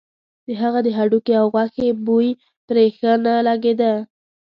د هغه د هډوکي او غوښې بوی پرې ښه نه لګېده.